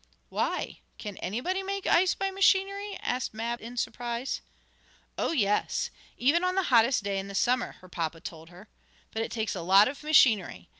"Why, can anybody make ice by machinery?" asked Mab in surprise. "Oh, yes, even on the hottest day in summer," her papa told her. "But it takes a lot of machinery.